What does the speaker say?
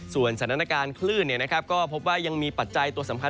ส่วนสถานการณ์คลื่นก็พบว่ายังมีปัจจัยตัวสำคัญ